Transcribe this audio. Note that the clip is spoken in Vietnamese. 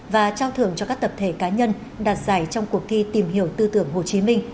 và trao thưởng cho các tập thể cá nhân đạt giải trong cuộc thi tìm hiểu tư tưởng hồ chí minh